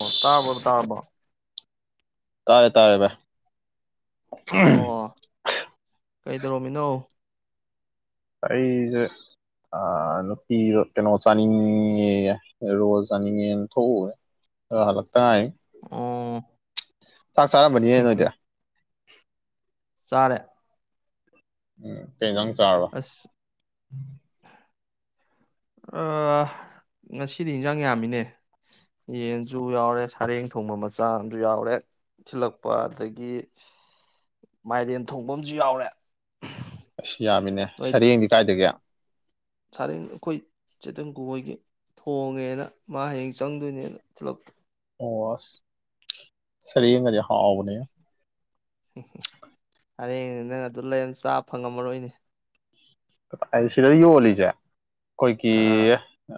ꯑꯣ ꯇꯥꯔꯕꯣ ꯇꯥꯔꯕꯣ ꯇꯥꯔꯦ ꯇꯥꯔꯦ ꯚꯥꯏ ꯑꯣ ꯀꯩꯗꯧꯔꯝꯃꯤꯅꯣ ꯑꯩꯖꯦ ꯅꯨꯄꯤꯗꯣ ꯀꯩꯅꯣ ꯆꯥꯅꯤꯡꯉꯦꯌꯦ ꯔꯣꯜ ꯆꯥꯅꯤꯡꯉꯦꯅ ꯊꯣꯛꯎꯕꯅꯦ ꯍꯜꯂꯛꯇ ꯉꯥꯏꯔꯤ ꯑꯣ ꯆꯥꯛ ꯆꯥꯔꯝꯃꯅꯤꯅꯦ ꯅꯣꯏꯗꯤ ꯆꯥꯔꯦ ꯎꯝ ꯀꯩ ꯏꯟꯖꯥꯡ ꯆꯥꯔꯕ ꯑꯁ ꯑꯥ ꯉꯁꯤꯗꯤ ꯏꯟꯖꯥꯡ ꯌꯥꯝꯃꯤꯅꯦ ꯌꯦꯟꯁꯨ ꯌꯥꯎꯔꯦ ꯁꯥꯔꯦꯡ ꯊꯣꯡꯕ ꯃꯆꯥ ꯑꯝꯖꯨ ꯌꯥꯎꯔꯦ ꯊꯤꯜꯂꯛꯄ ꯑꯗꯒꯤ ꯃꯥꯏꯔꯦꯟ ꯊꯣꯡꯕ ꯑꯝꯖꯨ ꯌꯥꯎꯔꯦ ꯑꯁ ꯌꯥꯝꯃꯤꯅꯦ ꯅꯣꯏ ꯁꯔꯦꯡꯗꯤ ꯀꯥꯏꯗꯒꯤ ꯁꯥꯔꯦꯡ ꯑꯩꯈꯣꯏ ꯆꯦ ꯇꯤꯡꯀꯨ ꯍꯣꯏꯒꯤ ꯊꯣꯡꯉꯦꯅ ꯃꯥ ꯍꯌꯦꯡ ꯆꯪꯗꯣꯏꯅꯦꯅ ꯊꯤꯜꯂꯛꯄ ꯑꯣ ꯑꯁ ꯁꯔꯦꯡꯒꯗꯤ ꯍꯥꯎꯕꯅꯦꯍꯦ ꯑꯔꯦꯡ ꯅꯪ ꯑꯗꯨ ꯂꯩꯔꯅꯤꯅ ꯆꯥ ꯐꯪꯉꯝꯃꯔꯣꯏꯅꯦ ꯑꯩ ꯁꯤꯗ ꯌꯣꯜꯂꯤꯖꯦ ꯈꯣꯏꯒꯤ ꯑꯥ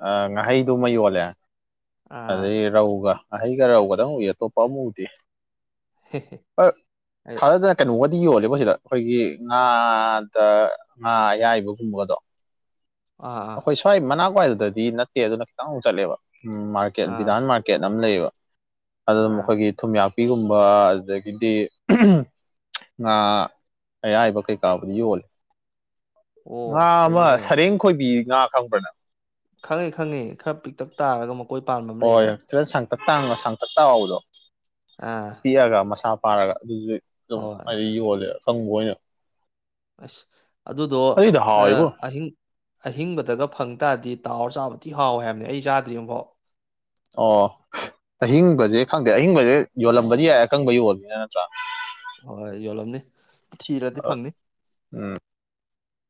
ꯑꯥ ꯉꯥꯍꯩꯗꯨꯃ ꯌꯣꯜꯂꯦ ꯑꯥ ꯑꯗꯩꯒꯤ ꯔꯧꯒ ꯉꯍꯩꯒ ꯔꯧꯒꯗꯪ ꯎꯏ ꯑꯇꯣꯞꯄ ꯑꯃ ꯎꯗꯦ ꯑꯩ [unintelligible] ꯀꯩꯅꯣꯒꯗꯤ ꯌꯣꯜꯂꯦꯕꯣ ꯁꯤꯗ ꯈꯣꯏꯒꯤ ꯉꯥꯗ ꯉꯥ ꯑꯌꯥꯏꯕꯒꯨꯝꯕꯒꯗꯣ ꯑꯥ ꯑꯥ ꯑꯈꯣꯏ ꯁ꯭ꯋꯥꯏ ꯃꯅꯥꯛꯋꯥꯏꯗꯗꯤ ꯅꯠꯇꯦ ꯑꯗꯨꯅ ꯈꯤꯇꯪ ꯃꯨꯛ ꯆꯠꯂꯦꯕ ꯃꯥꯔꯀꯦꯠ ꯑꯥ ꯕꯤꯗꯥꯥꯟ ꯃꯥꯔ ꯀꯦꯠ ꯑꯝ ꯂꯩꯌꯦꯕ ꯑꯗꯨꯝ ꯑꯥ ꯑꯩꯈꯣꯏꯒꯤ ꯊꯨꯝꯌꯥꯛꯄꯤꯒꯨꯝꯕ ꯑꯗꯒꯤꯗꯤ ꯉꯥ ꯑꯌꯥꯏꯕ ꯀꯩꯀꯥꯕꯨꯗꯤ ꯌꯣꯜꯂꯦ ꯉꯥ ꯑꯣ ꯑꯃ ꯐꯩꯅꯦ ꯁꯔꯦꯡ ꯈꯣꯏꯕꯤ ꯉꯥ ꯈꯪꯕ꯭ꯔ ꯅꯪ ꯈꯪꯉꯦ ꯈꯪꯉꯦ ꯈꯔ ꯄꯤꯛꯇꯛ ꯇꯥꯔꯒ ꯃꯨꯛ ꯍꯣꯏ ꯍꯣꯏ ꯈꯔ ꯁꯥꯡꯇꯛ ꯇꯥꯡꯅꯣ ꯁꯥꯡꯇꯛ ꯇꯥꯎꯕꯗꯣ ꯑꯥ ꯄꯤꯛꯑꯒ ꯃꯁꯥ ꯄꯥꯔꯒ ꯑꯗꯨꯁꯨ ꯑꯗꯨꯝ ꯍꯣꯏ ꯍꯥꯏꯗꯤ ꯌꯣꯜꯂꯦ ꯑꯀꯪꯕ ꯑꯣꯏꯅ ꯑꯁ ꯑꯗꯨꯗꯣ ꯑꯗꯨꯏꯗꯣ ꯅꯥ ꯍꯥꯎꯋꯦꯕꯣ ꯑꯍꯤꯡ ꯑꯍꯤꯡꯕꯗꯒ ꯐꯪ ꯇꯥꯔꯗꯤ ꯇꯥꯎꯔ ꯆꯥꯕ ꯊꯤ ꯍꯥꯎꯋꯦ ꯍꯥꯏꯕꯅꯦ ꯑꯩ ꯆꯥꯗ꯭ꯔꯤ ꯑꯝꯐꯥꯎ ꯑꯣ ꯑꯍꯤꯡꯕꯖꯦ ꯈꯪꯗꯦ ꯑꯍꯤꯡꯕꯖꯦ ꯌꯣꯜꯂꯝꯕꯗꯤ ꯌꯥꯏ ꯑꯀꯪꯕ ꯌꯣꯜꯕꯅꯤꯅ ꯅꯠꯇ꯭ꯔꯥ ꯍꯣꯏ ꯌꯣꯜꯂꯝꯅꯤ ꯊꯤꯔꯗꯤ ꯐꯪꯅꯤ